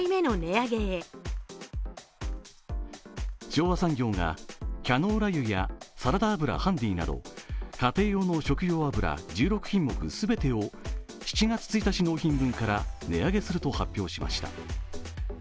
昭和産業がキャノーラ油やサラダ油ハンディなど、家庭用の食用油１６品目全てを７月１日納品分から値上げすると発表しました。